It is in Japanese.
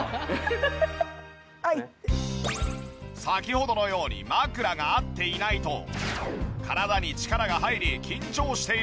先ほどのように枕が合っていないと体に力が入り緊張している状態。